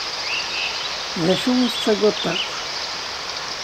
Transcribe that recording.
D acu i tettagadeḍ akk?